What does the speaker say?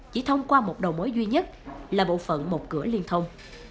chỉ thông qua một đầu mối duy nhất là bộ phận một cửa liên thông